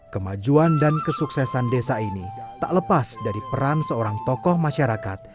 kemajuan dan kesuksesan desa ini tak lepas dari peran seorang tokoh masyarakat